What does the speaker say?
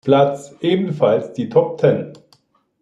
Platz ebenfalls die Top Ten.